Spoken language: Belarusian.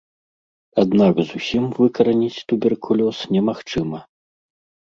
Аднак зусім выкараніць туберкулёз немагчыма.